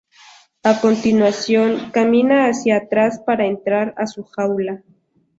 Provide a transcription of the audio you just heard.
A continuación, camina hacia atrás para entrar a su jaula.